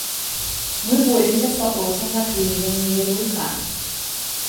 Мы боремся с вопросом наклеивания ярлыка.